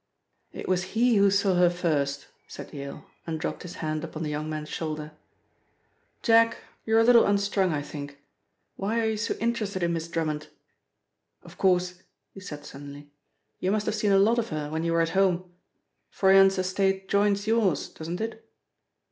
"It was he who saw her first," said Yale, and dropped his hand upon the young man's shoulder. "Jack, you're a little unstrung, I think. Why are you so interested in Miss Drummond? Of course," he said suddenly, "you must have seen a lot of her when you were at home. Froyant's estate joins yours, doesn't it?"